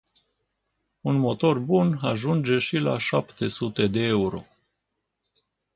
Un motor bun ajunge și la șapte sute de euro.